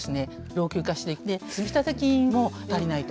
老朽化して積立金も足りないと。